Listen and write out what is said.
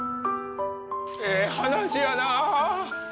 ええ話やなぁ。